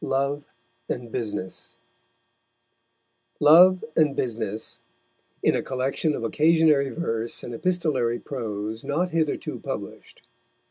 LOVE AND BUSINESS LOVE AND BUSINESS: _in a Collection of occasionary Verse and epistolary Prose not hitherto published.